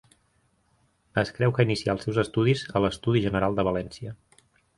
Es creu que inicià els seus estudis a l'Estudi General de València.